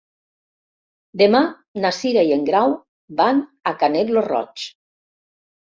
Demà na Cira i en Grau van a Canet lo Roig.